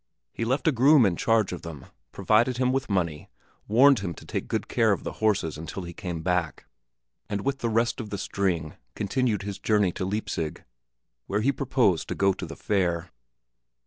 He left a groom in charge of them, provided him with money, warned him to take good care of the horses until he came back, and with the rest of the string continued his journey to Leipzig, where he purposed to go to the fair.